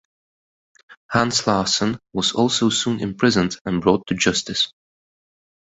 Hans Larsson was also soon imprisoned and brought to justice.